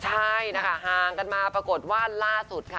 ใช่นะคะห่างกันมาปรากฏว่าล่าสุดค่ะ